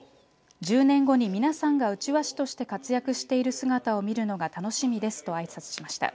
１０年後に皆さんがうちわ師として活躍している姿を見るのが楽しみですとあいさつしました。